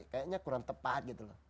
kayaknya kurang tepat gitu